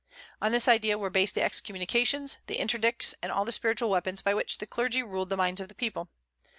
On this idea were based the excommunications, the interdicts, and all the spiritual weapons by which the clergy ruled the minds of the people.